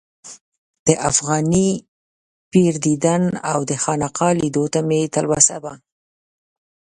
د افغاني پیر دیدن او د خانقا لیدلو ته مې تلوسه وه.